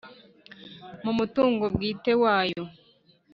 mu mutungo bwite wayo